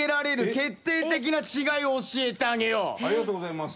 ありがとうございます。